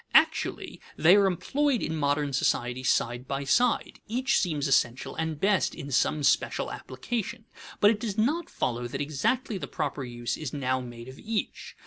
Actually they are employed in modern society side by side; each seems essential and best in some special application. But it does not follow that exactly the proper use is now made of each.